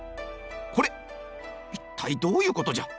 「これっ一体どういうことじゃ。